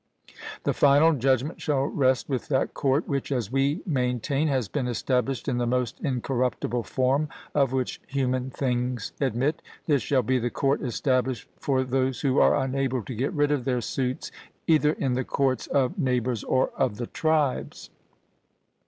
The final judgment shall rest with that court which, as we maintain, has been established in the most incorruptible form of which human things admit: this shall be the court established for those who are unable to get rid of their suits either in the courts of neighbours or of the tribes.